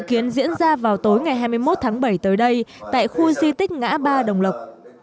dự kiến diễn ra vào tối ngày hai mươi một tháng bảy tới đây tại khu di tích ngã ba đồng lộc